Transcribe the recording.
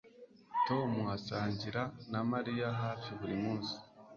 Tom asangira na Mariya hafi buri munsi